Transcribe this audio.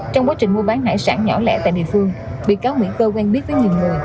trong quá trình mua bán hải sản nhỏ lẻ tại địa phương bị cáo nguyễn cơ quen biết với nhiều người